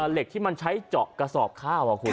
เหล็กที่ใช่เจาะกระสอบข้าว